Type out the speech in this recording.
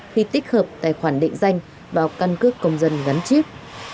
khi tích hợp tài khoản định danh vào căn cước công dân gắn chip